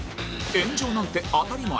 炎上なんて当たり前